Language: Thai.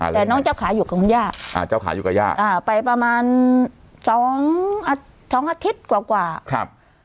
แต่น้องเจ้าขาอยู่กับย่าไปประมาณ๒อาทิตย์กว่า